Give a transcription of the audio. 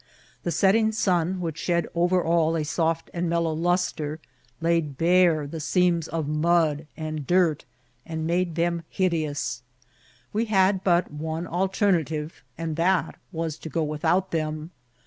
The setting sun, which shed over all a soft and mellow lustre, laid bare the seams of mud and dirt, and made them hide* ous. We had but one alternative, and that was to go without them.